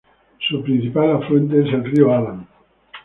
Su principal afluente es el río Adan.